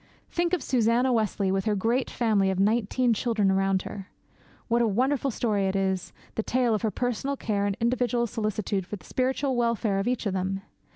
Think of Susanna Wesley with her great family of nineteen children around her. What a wonderful story it is, the tale of her personal care and individual solicitude for the spiritual welfare of each of them!